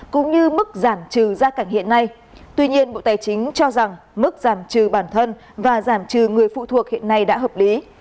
cũng như mức giảm trừ gia cảnh hiện nay tuy nhiên bộ tài chính cho rằng mức giảm trừ bản thân và giảm trừ người phụ thuộc hiện nay đã hợp lý